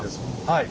はい。